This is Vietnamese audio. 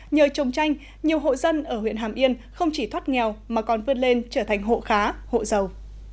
nhờ trồng chanh nhiều hộ dân ở huyện hàm yên không chỉ thoát nghèo mà còn vươn lên trở thành hộ khá hộ giàu